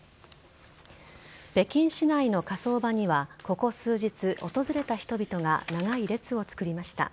北京市内の火葬場には、ここ数日、訪れた人々が長い列を作りました。